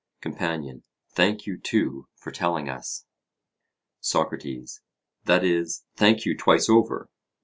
COMPANION: Thank you, too, for telling us. SOCRATES: That is thank you twice over.